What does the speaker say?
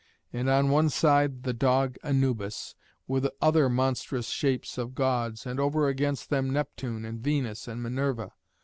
And on one side the dog Anubis, with other monstrous shapes of gods, and over against them Neptune, and Venus, and Minerva.